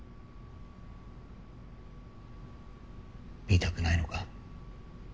見たくないのか？